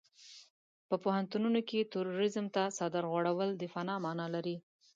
په پوهنتونونو کې تروريزم ته څادر غوړول د فناه مانا لري.